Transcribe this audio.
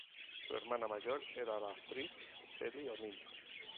Su hermana mayor era la actriz Sally O'Neil.